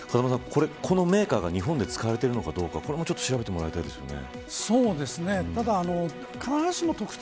このメーカーが日本で使われているのかどうかこれも調べてもらいたいですね。